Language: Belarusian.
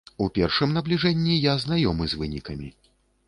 У першым набліжэнні я знаёмы з вынікамі.